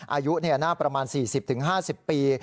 อายุหน้าประมาณ๔๐๕๐ปี